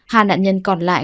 hàn nạn nhân còn lại